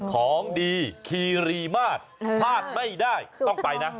ของดีคีรีมาตรพลาดไม่ได้ต้องไปนะ